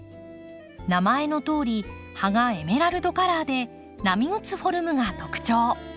名前のとおり葉がエメラルドカラーで波打つフォルムが特徴。